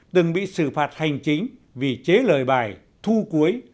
từng bị xử phạt hành chính vì chế lời bài thu cuối